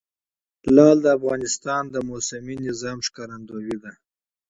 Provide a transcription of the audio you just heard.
لعل د افغانستان د اقلیمي نظام ښکارندوی ده.